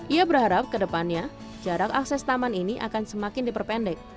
ia berharap ke depannya jarak akses taman ini akan semakin diperpendek